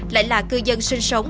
lại là cư dân sinh sống